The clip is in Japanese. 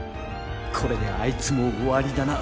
これであいつも終わりだな。